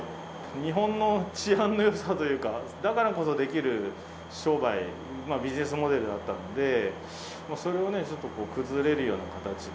日本の治安のよさというか、だからこそできる商売、ビジネスモデルだったんで、それをちょっと崩れるような形で、